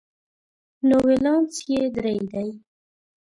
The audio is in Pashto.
نو ولانس یې درې دی.